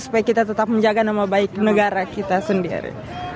supaya kita tetap menjaga nama baik di negara kita sendiri